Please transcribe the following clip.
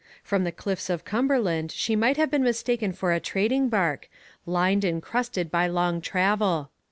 From the cliffs of Cumberland she might have been mistaken for a trading bark, lined and crusted by long travel.